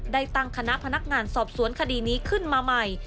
ได้ตั้งคณะพนักงานสอบสวนคดีนี้ขึ้นมาใหม่